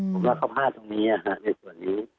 ก็ข้อพาร์ชตรงนี้ด้วยส่วนนี้